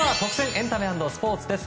エンタメ＆スポーツです。